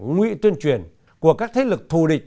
ngụy tuyên truyền của các thế lực thù địch